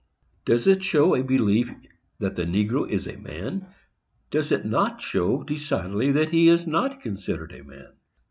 Does it show a belief that the negro is a man? Does it not show decidedly that he is not considered as a man?